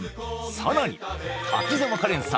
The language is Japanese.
さらに滝沢カレンさん